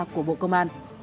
của bộ công an